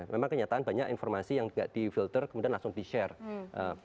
memang kenyataan banyak informasi yang tidak di filter kemudian langsung di share